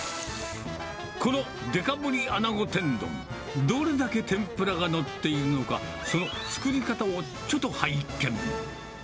このデカ盛りあなご天丼、どれだけ天ぷらが載っているのか、その作り方をちょっと拝見。